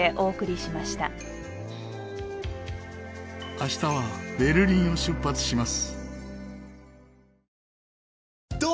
明日はベルリンを出発します。